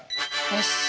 よし。